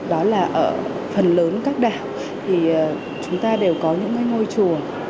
đó là ở phần lớn các đảo thì chúng ta đều có những ngôi chùa